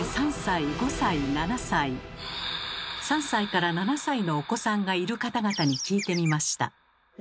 ３歳から７歳のお子さんがいる方々に聞いてみました。